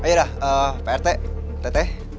ayodah prt teteh